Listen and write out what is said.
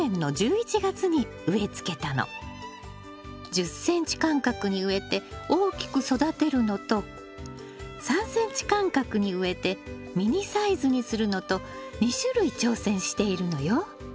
１０ｃｍ間隔に植えて大きく育てるのと３ｃｍ間隔に植えてミニサイズにするのと２種類挑戦しているのよ。